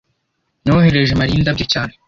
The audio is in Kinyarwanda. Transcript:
nohereje mariya indabyo cyane